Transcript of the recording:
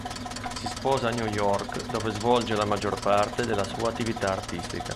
Si sposa a New York dove svolge la maggior parte della sua attività artistica.